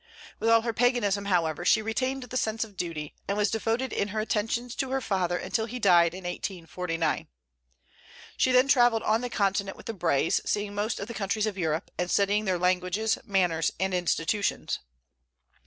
With all her paganism, however, she retained the sense of duty, and was devoted in her attentions to her father until he died, in 1849. She then travelled on the Continent with the Brays, seeing most of the countries of Europe, and studying their languages, manners, and institutions.